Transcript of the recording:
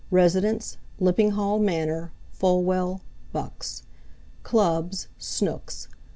Residence: Lippinghall Manor, Folwell, Bucks. Clubs: Snooks'.